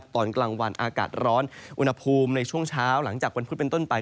ตอนกลางวันอากาศร้อนอุณหภูมิในช่วงเช้าหลังจากวันพุธเป็นต้นไป